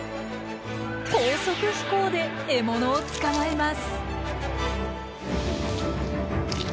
高速飛行で獲物を捕まえます。